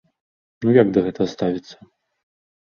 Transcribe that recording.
Ну як да гэтага ставіцца?